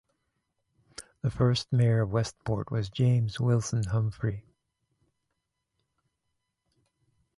The first mayor of Westport was James Wilson Humphrey.